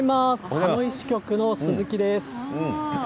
ハノイ支局の鈴木です。